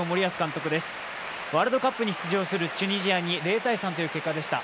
ワールドカップに出場するチュニジアに、０−３という結果でした。